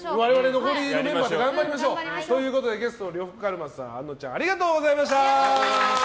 残りのメンバーで頑張りましょう。ということで、ゲストの呂布カルマさんとあのちゃんありがとうございました。